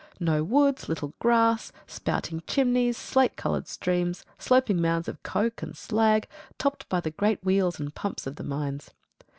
No woods, little grass, spouting chimneys, slate coloured streams, sloping mounds of coke and slag, topped by the great wheels and pumps of the mines.